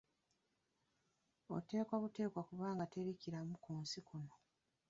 Oteekwa buteekwa kubanga teri kiramu ku nsi kuno